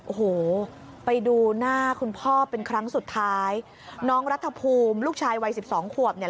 โอ้โหไปดูหน้าคุณพ่อเป็นครั้งสุดท้ายน้องรัฐภูมิลูกชายวัยสิบสองขวบเนี่ย